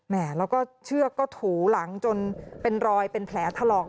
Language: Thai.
แม่แล้วก็เชือกก็ถูหลังจนเป็นรอยเป็นแผลถลอก